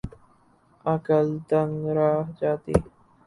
عقل دنگ رہ جاتی ہے۔